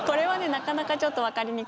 なかなかちょっと分かりにくい。